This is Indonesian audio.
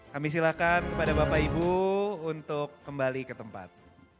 kami silakan kepada bapak ibu untuk kembali ke tempat